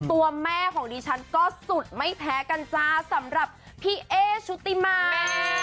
ตัวแม่ของดิฉันก็สุดไม่แพ้กันจ้าสำหรับพี่เอ๊ชุติมา